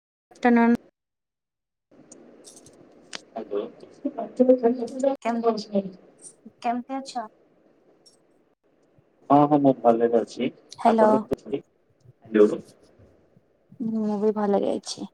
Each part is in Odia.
[inaudible] [inaudible] ଆଛା। ହଁ ହଁ ମୁଁ ଭଲ ରେ କଛି ହ୍ୟାଲୋ ଆପଣ [inaudible] ଯୋଉଁ ମୁଁ ବି ଭଲ ରେ ଅଛି।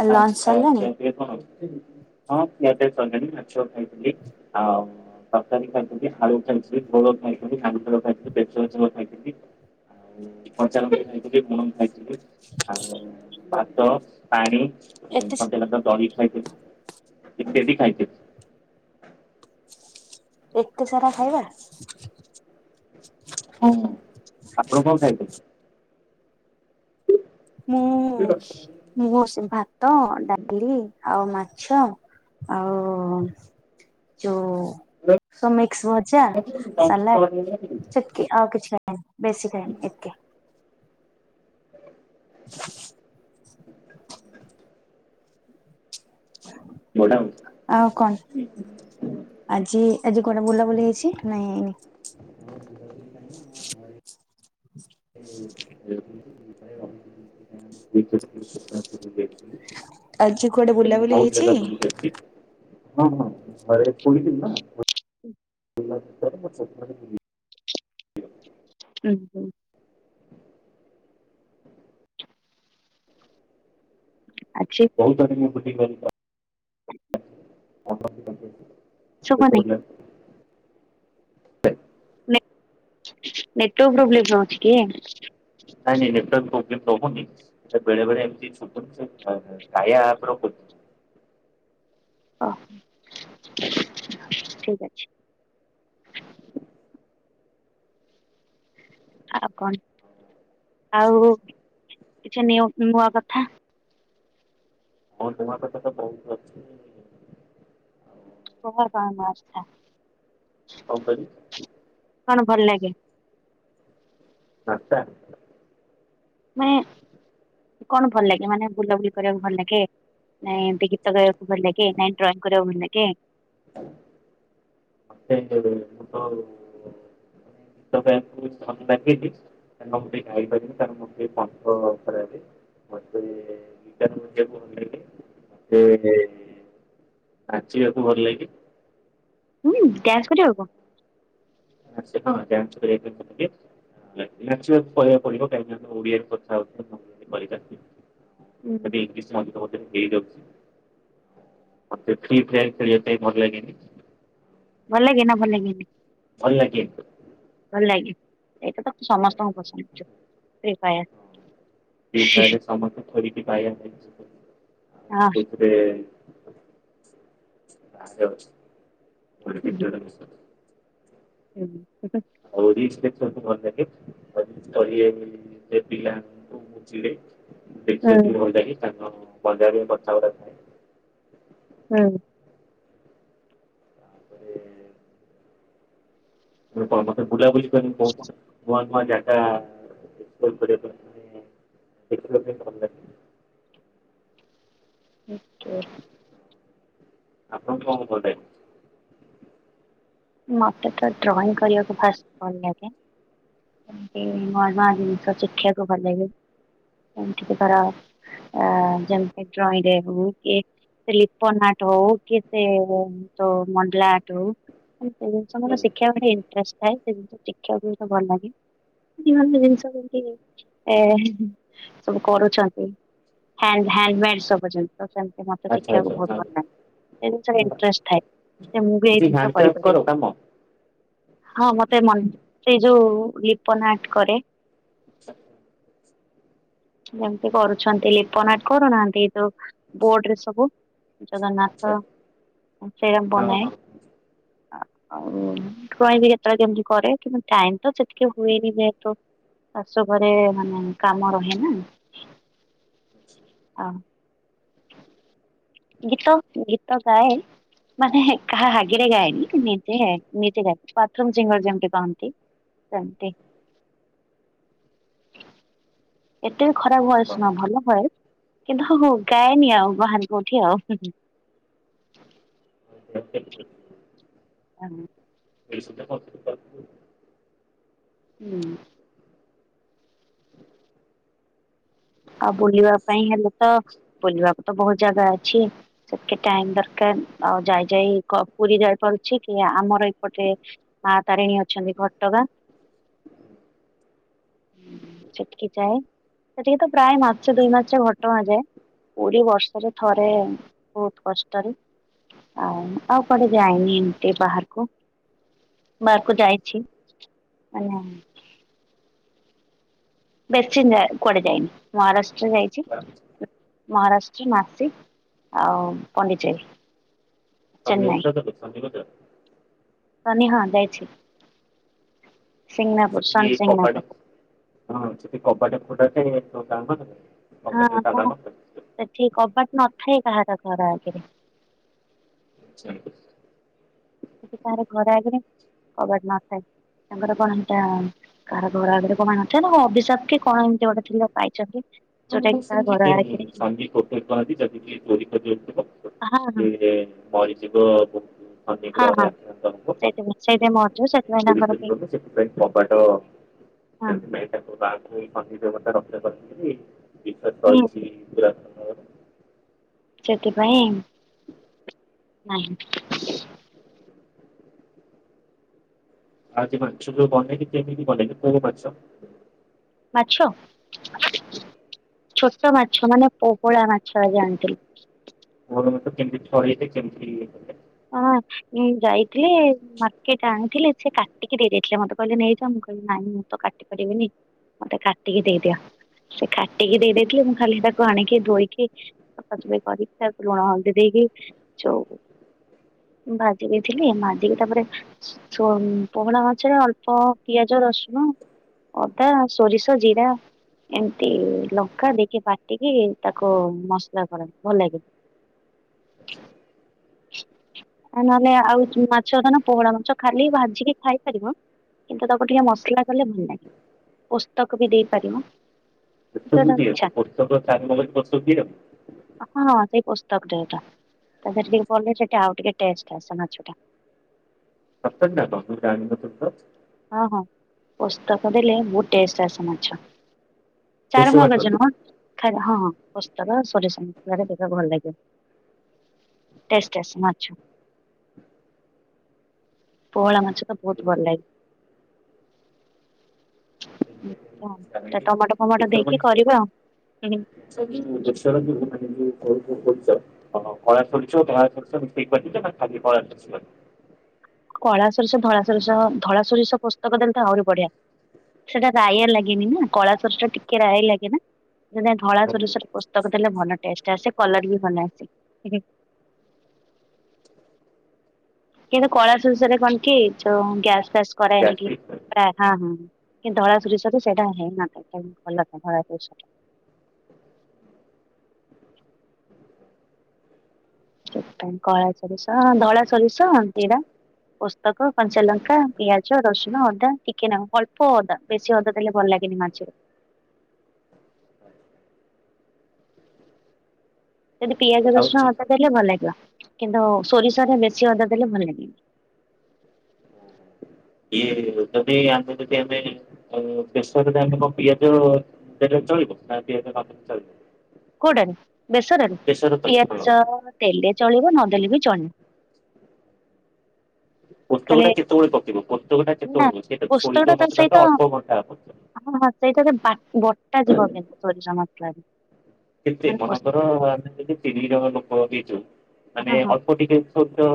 ଆଉ ଲଞ୍ଚ ଆଛା ସରିଲାଣି? ଖିଆପିଆ କଣ ହଁ ଖିଆପିଆ ମାଛ ଖାଇଥିଲି ଆଉ ତରକାରୀ ଖାଇଛନ୍ତି ଆଳୁ ଖାଇଛନ୍ତି ଘୋଳ ଖାଇଛନ୍ତିାଙ୍ଗେଳ ଖାଇଛନ୍ତି ବେସେ ଖାଇଛନ୍ତି। ଆଉ କଞ୍ଚାଲ କରି ଖାଇଥିଲି ଗୁଣ ଖାଇଥିଲି ଆଉ ଭାତ ପାଣି ଏତେ ସମ ନର ଦାର ଖାଇଥିଲ କେ ବି ଖାଇଥିଲେ। ଏତେ ସାରା ଖାଇବା। ହ ଆପଣ କଣ ଖାଇଥିଲେ? ମୁଁ ମୁଁ ଭାତ ଡାଲି ଆଉ ମାଛ ଛ ଆଉ ଯୋଉ ସ ମିକ୍ସ ଭଜା ସାଲାଡ ଚଟକି ଆଉ କିଛିଖାଇନି। ବେସିିକାଇ ଏକେ [inaudible] ଗଡ ଆଉ କଣ ଆଜି ଆଜି କୁଆଡେ ବୁଲାବୁଲି ହେଇଛି ନାଇଁ ହେଇନି। [unintelligible] [unintelligible] ବହୁତ ଆଜି କୁଆଡେ ବୁଲାବୁଲି ଜାଗା ହେଇଛି? ବୁଲିକି ଆସିଲି ହଁ ହଁରେୋଇଥିଲ ନା ଆଜ୍ଞା। ଆଜି ବହୁତ ଆ ମୁ ବୁଟି ଶୁଭୁନି [unintelligible] ନେଟୱ ପ୍ରବ୍ଲେମ୍ଛିିକ। ନାଇ ନାଇ ନଟ ପ୍ରୋଗମ୍ ନନ ବେଳେବେେଳେ ଏମତି ଚୁ କ ଆପର ହଁ। ଓୋ ଠିକ ଅଛି। [inaudible] ଆଉ କଣ ଆଉ କିଛି ନୂଆ କଥା ହଁ ତୁମ କଥା ତ ବହୁତ ଅଛି। ଆଉ କର କଣ ମାର୍ଚଥା ହଉ କ କଣ ଭଲ ଲାଗେ? ଆଛ ମାନେ କଣ ଭଲ ଲାଗେ ମାନେ ବୁଲାବୁଲି କରିବାକୁ ଭଲ ଲାଗେ ନାଇଁ ଏମିତି ଗୀତ ଗାଇବାକୁ ଭଲ ଲାଗେ କି ନାଇଁ ଡ୍ରଇଂ କରିବାକୁ ଭଲ ଲାଗେ କେ ଆପଙ୍କ ମୂଟ ାଇ ଲି [unintelligible] ମେ ବିକଣ୍ଡେ [unintelligible] ଆଚିବାକୁ ଭଲ ଲ କିି [unintelligible] ହୁଁ ଗ୍ୟାସ କରି ହବ। [unintelligible] ପରିବାକୁ ପଡିବ କାହିଁକି ଓଡ଼ିଆ [unintelligible] [unintelligible] ମଝିରେ ହୁଁ ହେଇଯାଉଚି। ଆତେ ଫ୍ରି ଫାୟାର ଖେଳିବା ପାଇଁ ଭଲ ଲାଗେନି। ଭଲ ଲାଗେ ନା ଭଲ ଲାଗେ ନି? ଭଲ ଲାଗେ। ଭଲ ଲାଗେ ଏଇଟା ତ ସମସ୍ତଙ୍କୁ ପସନ୍ଦ ଫ୍ରୀ ଫାୟାର। ଭାଇଲେ ସମ ଥ କି ବାାଇ ହେ [unintelligible] ଆ ହଁ ସେଥିରେ ମ କେତେ ହୁଁ। [unintelligible] ତଳି ସେ [unintelligible] ପିଲା ମୁ ଦେଖିବାକୁ ଭଲଲାଗେ ତାର ପଞ୍ଜାବା ପଚାର ହଁ ତାପରେ କଣ ମତେ ବୁଲାବୁଲି କରିମୀ କହୁଚି କୁଆ ନୁଆ ଜାଗା [unintelligible] ଭଲ ଲାଗିବ ଆଚଛା ଆପଣ କଣ କଲେ ମତେ ତ ଡ୍ରଇଂ କରିବାକୁ ଫାର୍ଷ୍ଟ ଭଲ ଲାଗେ ଏମୀତି ନୂଆ ନୂଆ ଜିନିଷ ଶିଖିବାକୁ ଭଲ ଲାଗ ଏମତି ତାର ଆ ଜେମିତି ଡ୍ରଇଂ ରୁ ହୋଉ କି ସେ ଲିପନ ଆଟ ହଉ କି ସେ ତ ମଣ୍ଡଲା ଆଟ ହଉ ସେ ଜିନଷ ମାନେ ଶିଖୀବାକୁ ଇଣ୍ଟଷ୍ଟ ଥାଏ ସେ ଜିନଷ ଶଖିବାକୁତ ଭଲ ଲାଗେ ଭ ଜିନିଷତି ଏ ସବୁ କରୁଛନ୍ତି ହ୍ୟା ହ୍ୟାଣ୍ଡମେଡ଼୍ ସବୁ କରୁଛନ୍ତି ଛନ୍ତି ସେ ମତେ ଆଚ୍ଛା ଶିଖିବାକୁ ବହୁତ ଆଚ୍ଛା ଭଲ ଲାଗେ ସେ ଜିନିଷ ଇଣ୍ଟଷ୍ଟ ଥାଏ ସେ ମୁଁ ବି ଏଇ କିଛି ଜିନିଷ କରିବି ହ୍ୟାଣ୍ଡକ୍ରାଫ୍ଟ କର କାମ ହଁ ମତେ ମନ ସେଇ ଯୋଉ ଲିପ ନାଟ କରେ [inaudible] ଯେମିତି କରୁଛନ୍ତି ଲିପନାଟ କରୁନାହାନ୍ତି ତୋ ବୋର୍ଡ ରେ ସବୁ ଜଗନ୍ନାଥ ଆଚ୍ଛା ସେଇରା ହଁ ବନାଏ ହଁ। ଆଉ ଡ୍ରଇ କେତେବେଳେ କେମତି କରେ କିନ୍ତୁ ଟାଇମ ତ ସେତିକି ହୁଏନି ଯେହେତୁ ଆସ ଘରେ ମାନେ କାମ ରହେ ନା ହଁ ଗୀତ ଗୀତ ଗାଏ ମାନେ ହେ କାହା ହାଗେରେ ଗାଏନି ନିଜେ ଗାଏ ନିଜେ ବା ବାଥରୁମ୍ ସିଙ୍ଗର ଯେମିତି କହନ୍ତି । ସେମୀନ୍ତି [inaudible] ଏତେ ଖରାପ ଭୟସ ନ ଭଲ ଭଏସ କିନ୍ତୁ ହୋ ହୋ ଗାଏନି ଆଉ ବାହାରେ କଉଠି ଆଉ ହୁ ହୁ ହ୍ [unintelligible] [unintelligible] ହୁଁ ଆଉ ବୁଲିବା ପାଇଁ ହେଲେ ତ ବୁଲିବାକୁ ତ ବହୁତ ଜାଗା ଅଛି ସେତେ ଟାଇମ ଦରକାର ଆଉ ଯାଇ ଯାଇ କ ପୁରୀ ଯାଇପାରୁଛି କି ଆମର ଏଇପଟେ ମା ତାରିଣୀ ଅଛନ୍ତି ଘ ଟଗାଁ [inaudible] ସେଟିକି ଯାଏଁ ସେ ଟିକି ତ ପ୍ରାୟ ମାସେ ଦୁଇ ମାସେ ଘଟଗାଁ ଯାଏ ପୁରୀ ବର୍ଷରେ ଥରେ ବହୁତ କଷ୍ଟରେ ଆ ଆଉ କୁଆଡେ ଯାଏନି ଏମିତି ବାହାରକୁ ବାହାରକୁ ଯାଇଛି ମାନେ ବେଶି ନୁଏ କୁଆଡେ ଯାଇନି ମହାରାଷ୍ଟ୍ର ଯାଇଛି ମହାରାଷ୍ଟ୍ର ମାସେ ଆଉ ପଣ୍ଡିଚେର ଶନି ଓଷା ତା ପରେ ଶନି ଗଜା ଶନି ହଁ ଯାଇଛି ସିଂନାପୁର ସେଠି ସନି କବାଡି ସିଂନାପୁର ହଁ ସେଠି କବାଡି ଫଡଟ ତା ହଁ କ ସେଠି କବାଟ ନଥାଏ କାହା ଘର ଆଗରେ ଆଛା ତାରେ ଘର ଆଗରେ କବାଟ ନଥାଏ। ତାଙ୍କର କଣ ହେଟା କାହାର ଘର ଆଗରେ [inaudible] ଅଭିଶାପ କି କଣ ଏମିତି ଗୋଟେ ପାଇଛନ୍ତି। [inaudible] [inaudible] ଯୋଉଟା କି କାହା ଘର ଆଗରେ ହଁ ହଁ ମରିଯିବି ଅନନ୍ୟ ହଁ ଗ୍ରହରେ ହଁ ସେଇଥିପାଇଁ ସେଇଥିପାଇଁ ମରିଯିବ ସେଥିପାଇଁ ଆକ୍ରାନ୍ତକୁପରି ତାଙ୍କର କେହି କଲେ ସେଥିପାଇଁ କବାଟ ହଁ ସେଥିପାଇଁ ତାଙ୍କ ଗାଁ କୁ [inaudible] [inaudible] ବିଶସ ହୁଁ ରହିଛି [inaudible] ସେଥିପାଇଁ [unintelligible] ନାହିଁ। ଆଜି ମାଛ କୁ ବନେଇକି କେମିତି ବନେଇଲେ କୋଉଁ ମାଛ? ମାଛ [unintelligible] ଛୋଟ ମାଛ ମାନେ ପୋପଳା ମାଛ ଆଜି ଆଣିଥିଲେ। କେମିତି [inaudible] ହଁ ଯାଇଥିଲେ ମାର୍କେଟ ଆଣିଥିଲେ। ସେ କାଟିକି ଦେଇେଇଥିଲେ ମୋତେ କହିଲେ ନେଇଯା ମୁଁ କହିଲି ନାଇଁ ମୁଁ ତ କାଟି ପାରିବିନି। ମତେ କାଟିିକି ଦେଇଦିଆ। ସେ କାଟିକି ଦେଇେଇଥିଲେ ମୁଁ ଖାଲି ତାକୁ ଆଣିକି ଧୋଇକି ସଫାସଫେଇ କରିକି ତାକୁ ଲୁଣ ହଳଦୀ ଦେଇକି କି ଯୋଉଁ [unintelligible] ଭାଜି ଦେଇଥିଲି ଭାଜିକି ତାପରେ ପହଳା ମାଛରେ ଅଳ୍ପ ପିଆଜ ରସୁଣ [unintelligible] ଅଦା ସୋରିଷ ଜିରା ଏମତି ଲଙ୍କା ଦେଇକି ବାଟିକି ତାକୁ ମସଲା କରେ ଭଲ ଲାଗେ। ଆଛା। ନହେଲେ ଆଉ ମାଛ ତ ନା ପୋହଳା ମାଛ ଖାଲି ଭାଜିକି ଖାଇପାରିବ। କିନ୍ତୁ ତାକୁ ଟିକେ ମସଲା କଲେ ଭଲ ଲାଗେ ପୋସ୍ତକ ବି ଦେଇପାରିବ। [inaudible] ତମର ଚାରୁମଗଜ [inaudible] ଦିଅ? ହଁ ହଁ [inaudible] ତା ଦେହରେ ପଡିଲେ ସେ ଆଉ ଟିକେ ଟେଷ୍ଟ ଆସେ ମାଛ ଟା। ସତେନା କଣ ମୁଁ ଜାଣିନଥିଲି ତ। ହଁ ହଁ ପୋସ୍ତକ ଦେଲେ ବହୁତ ଟେଷ୍ଟ ଆସେ ମାଛ। ଦୋଷ ଚାରୁମଗଜ ବାଟନି। ନୁହଁ ଖାଲି ହଁ ହଁ। ପୋସ୍ତକ ସୋରିଷ ମସଲା ରେ ଦେଲେ ଭଲ ଲାଗେ। ଟେଷ୍ଟ ଆସେ ମାଛ। ପୋହଳା ମାଛ ଟା ବୋଉତୁ ଭଲ ଲାଗେ। [unintelligible] ଟମାଟୋ ଫମାଟୋ ଦେଶର ମାନେ ଦେଇକି କରିବେ ଆଉ। [inaudible] [inaudible] [unintelligible] କଳା ସୋରିଷ ଧଳା ସରିଷ ଧଳା ସୋରିଷ ପୁସ୍ତକ ଦେଲେ ତ ଆହୁରି ବଢିଆ। ସେଟା ରାୟା ଲାଗେନି ନା କଳା ସୋରିଷ ଟା ଟିକେ ରାୟ ଲାଗେ ନାଁ। ଧଳା ବାଟିଛ? ସୋରିଷ ପୁସ୍ତକ ଦେଲେ ଭଲ ଟେଷ୍ଟ ଆସେ କଲର ବି ଭଲ ଆସେ। [unintelligible] କିନ୍ତୁ କଳା ସୋରିଷ କଣ କି ଗ୍ୟାସ ଫ୍ୟାସ କରାଏନି ଗ୍ୟାଷ୍ଟ୍ରିକ୍ ପାଇଁ ପ୍ରାୟ ହଁ ହଁ। କିନ୍ତୁ ଧଳା ସୋରିଷ ତ ସେଇଟା ହେଇନା ଭଲ ଧଳା ସୋରିଷ ଟା। କଳା ସୋରିଷ ଧଳା ସୋରିଷ ଏଟା। ପୋସ୍ତକ କଞ୍ଚାଲଙ୍କା ପିଆଜ ରସୁଣ ଅଦା ଚିକେନ ଅଳ୍ପ ଅଦା ବେଶୀ ଅଦା ଦେଲେ ଭଲ ଲାଗି ନିରିମାଞ୍ଚରେ। [inaudible] ଯଦି ପିଆଜ ଆଉ ରସୁଣ ଚି ଅଦା ଦେଲେ ଭଲ ଲା କିନ୍ତୁ ସୋରିଷରେ ବେଶୀ ଅଦା ଦେଲେ ଭଲ ଲାଗେନି। ଇଏ ଯଦି ଆମେ ଯଦି ଆମେ ଯଦି ଆମେ ପ୍ସୁରେ ପିଆଜ ଦେଲେ ଚଳିବ [unintelligible] କୋଉଟରେ ବେସରରେ ବେସର ତ ହଁ ପିଆଜ ଦେଲେ ଚଳିବ ନ ଦେଲେ ବି ଚଳିବ। ପୁସ୍ତକ ଖାଲି ଟା କେତେବେଳେ ପକେଇବ? ଚେ କର ନା ସେଇଟା ଶରୀ ପୋସ୍ତକଟା ଅବସ୍ଥା ଟା ଅଳ୍ପ ସେଇଟା ବି ବା-ବଟା ଜୀବ କିନ୍ତୁ ସୋରିଷ ମସଲାରେ । କେତେ ମନେକର ଆମେ ତିନି ଜଣ ଲୋକ ଦେଇଛୁ। ମାନେ ଅଳ୍ପ ଟିକେ ସୋରିଷ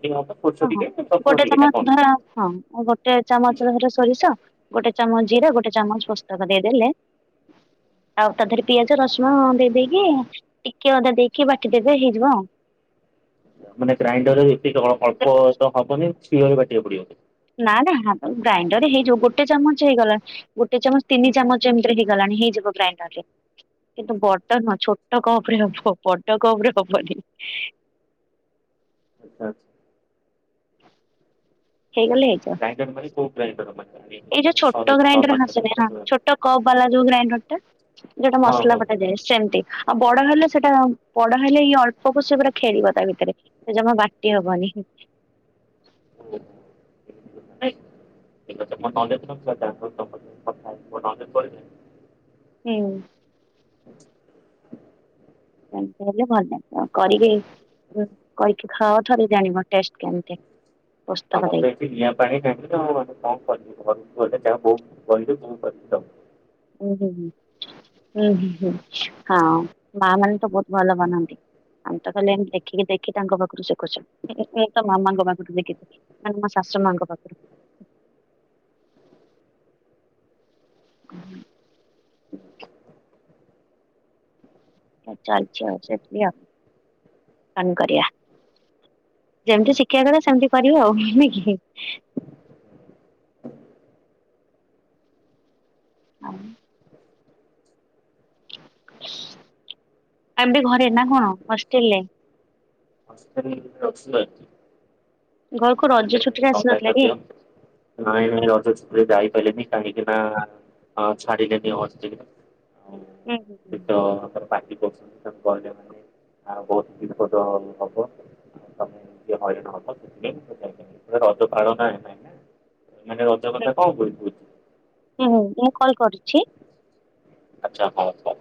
ଟିକେ ହବ ସୋରିଷ ଓ ହୋ ଟିକେ ରସୁଣ ଗୋଟେ ଟିକେ ନା ଚାମଚ କଣ? ଧର ହଁ ଗୋଟେ ଚାମଚ ଧର ସୋରିଷ ଗୋଟେ ଚାମଚ ଜିରା ଗୋଟେ ଚାମଚ ପୋସ୍ତକ ଦେଇଦେଲେ ଆଉ ତା ଦେହରେ ପିଆଜ ରସୁଣ ଦେଇଦେଇକି ଟିକେ ଅଦା ଦେଇକି ବାଟିଦେବେ ହେଇଯିବ ଆଉ। ମାନେ ଗ୍ରାଇଣ୍ଡରରେ ଏତିକି ଅଳ୍ପ ତ ହବନି ଶିଳରେ ବାଟିବାକୁ ପଡିବ। ନା ନା ଗ୍ରାଇଣ୍ଡର ହେଇଯିବ ଗୋଟେ ଚାମଚ ହେଇଗଲା ଗୋଟେ ଚାମଚ ତିନି ଚାମଚ ଏମିତିରେ ହେଇଗଲାଣି ହେଇଯିବ ଗ୍ରାଇଣ୍ଡ ରେ କିନ୍ତୁ ବଟର ନ ଛୋଟ କପରେ ହବ ବଡ଼ କପରେ ହବନି। ଆଛା ଆଛା। ହେଇଗଲେ ହେଇଯିବ। ଗ୍ରାଇଣ୍ଡର [unintelligible] ଏଇ ଯୋଉ ଛୋଟ ଗ୍ରାଇଣ୍ଡର ହାସରେ ଛୋଟ କପ୍ ବାଲା ଯୋଉ ଗ୍ରାଇଣ୍ଡର ଟା ଯୋଉଟା ହଁ ମସଲା ହଁ। ବଟା ଦ ଏ ସେମିତି ଆଉ ବଡ ହେଲେ ସେଟା ବଡ ହେଲେ ଇ ଅଳ୍ପ ପ ସେ ପୁରା ଖେଳିବ ତା ଭିତରେ ସେ ଜମା ବାଟି ହବନି। [unintelligible] [unintelligible] ହୁଁ। [inaudible] ସେମତି ହେଲେ ଭଲିବ କରିବି କରିବି ଖାଅ ଥରେ ଜଣିବ ଟେଷ୍ଟ୍ କେମିତି। ପୁସ୍ତକ ଆମର ତ ଦେଇକି ଏଠି ନିଆଁ ପାଣି ଟେପେଚ କଣ କରିବି ଘରୁକୁ ଗଲେ ଯାହା ବୋଉ କହିଦେ ବୋଉ କରିବି ଦବ। ଉଁ ହୁଁ। ହୁଁ ହୁଁ ହଁ ମା ମାନେ ତ ବହୁତ ଭଲ ବନାନ୍ତି। ଆମେ ତ କହିଲେ ଏମ ଦେଖିକି ଦେଖି ତାଙ୍କ ପାଖରୁ ଶିଖୁଛୁ ତ ମାମାଙ୍କ ପାଖରୁ ଶଖିଛିି ମାନେ ଶା ମାଙ୍କ ପାଖରୁ। [inaudible] [unintelligible] ଚାଲିଛି ଆ ସେଠି ଅନ୍ କରିବା। ଯେମିତି ଶିକ୍ଷା କଥା ସେମିତି କରିବ ଆଉ ନୁହଁକି। [unintelligible] ଆମବେ ଘରେ ନା କଣ ହଷ୍ଟେଲରେ ହଷ୍ଟେଲ ରେ ଅଛି ଆଉ। ଘରକୁ ରଜ ଛୁଟିରେ ଆସିନଥିଲା କି? ନାଇଁ ନାଇଁ ରଜ ଚୁଟି ରେ ଯାଇ ପାରିଲିନି। କାହିଁକିନା ଛାଡିକେ ନି ବସିଛିିକନା ଆଉ ହୁଁ ହୁଁ ଶୀତ ପାଟି କଛନ୍ତି ସବୁ କହିଲେ ମାନେ ଆ ବହୁତ ବିପଦ ହବ। ତମେ ହଇରାଣ ହବ ସେଥି ପାଇଁ ରଜ ପାଳନା ଏ ପାଇଁାଇ ନା ମାନେ ରଜ କଥା କଣ କୁ କହୁଛି। ହୁଁ ହୁଁ ମୁଁ କଲ୍ କରୁଛି। ଆଚ୍ଛା ହଁ ହ।